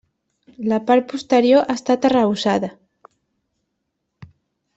La part posterior ha estat arrebossada.